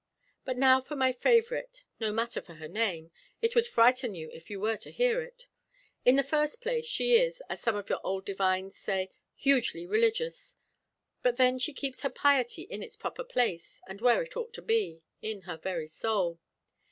But now for my favourite no matter for her name it would frighten you if were you to hear it. In the first place, she is, as some of your old divines say, hugely religious; 'but then she keeps her piety in its proper place, and where it ought to be in her very soul.